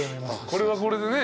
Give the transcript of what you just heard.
これはこれでね。